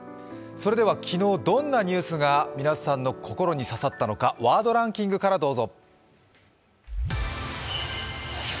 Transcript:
昨日どんなニュースが皆さんの心に刺さったのか、ワードランキングからどうぞ。